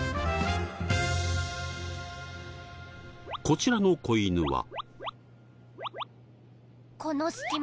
こちらの子犬は。